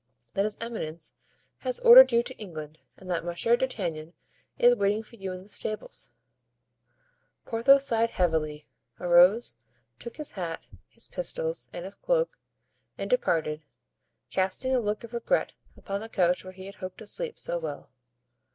"That his eminence has ordered you to England and that Monsieur d'Artagnan is waiting for you in the stables." Porthos sighed heavily, arose, took his hat, his pistols, and his cloak, and departed, casting a look of regret upon the couch where he had hoped to sleep so well.